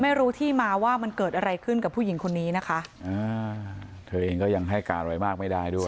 ไม่รู้ที่มาว่ามันเกิดอะไรขึ้นกับผู้หญิงคนนี้นะคะอ่าเธอเองก็ยังให้การอะไรมากไม่ได้ด้วย